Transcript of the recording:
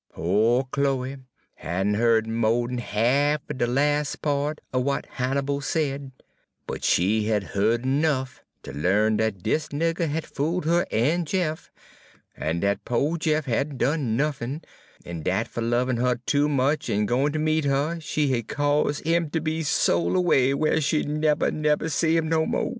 "Po' Chloe had n' heared mo' d'n half er de las' part er w'at Hannibal said, but she had heared 'nuff to l'arn dat dis nigger had fooled her en Jeff, en dat po' Jeff had n' done nuffin, en dat fer lovin' her too much en goin' ter meet her she had cause' 'im ter be sol' erway whar she 'd neber, neber see 'im no mo'.